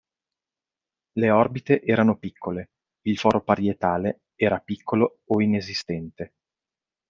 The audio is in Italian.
Le orbite erano piccole, il foro parietale era piccolo o inesistente.